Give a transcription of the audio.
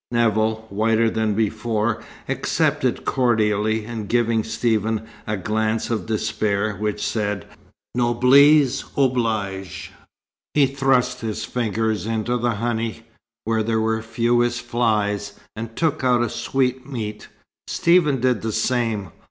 Nevill, whiter than before, accepted cordially, and giving Stephen a glance of despair, which said: "Noblesse oblige," he thrust his fingers into the honey, where there were fewest flies, and took out a sweetmeat. Stephen did the same.